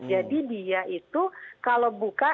jadi dia itu kalau buka